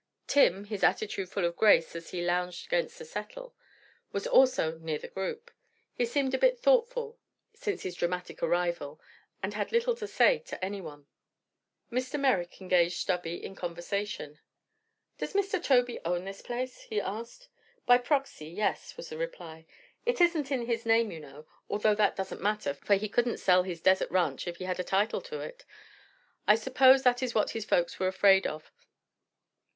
Tim, his attitude full of grace as he lounged against a settle, was also near the group. He seemed a bit thoughtful since his dramatic arrival and had little to say to anyone. Mr. Merrick engaged Stubby in conversation. "Does Mr. Tobey own this place?" he asked. "By proxy, yes," was the reply. "It isn't in his name, you know, although that doesn't matter, for he couldn't sell his desert ranch if he had a title to it. I suppose that is what his folks were afraid of.